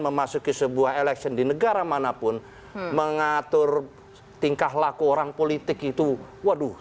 memasuki sebuah election di negara manapun mengatur tingkah laku orang politik itu waduh